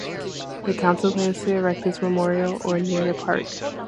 The Council plans to erect this memorial in or near the park.